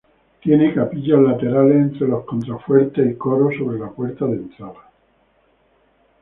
Tiene capillas laterales entre los contrafuertes y coro sobre la puerta de entrada.